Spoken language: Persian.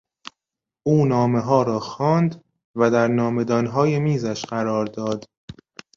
او نامهها را خواند و در نامهدانهای میزش قرار داد.